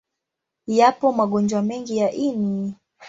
Yapo magonjwa mengi ya ini.